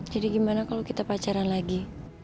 jadi gimana kalau kita pacaran lagi